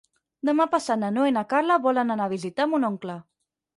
Demà passat na Noa i na Carla volen anar a visitar mon oncle.